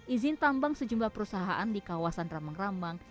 izin tambang sejumlah perusahaan di kawasan rambang rambang